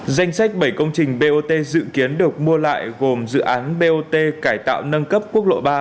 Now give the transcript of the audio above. danh sách bảy công trình bot dự kiến được mua lại gồm dự án bot cải tạo nâng cấp quốc lộ ba